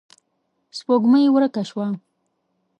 سپوږمۍ ورکه شوه.